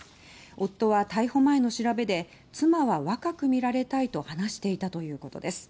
夫は逮捕前の調べで妻は若く見られたいと話していたということです。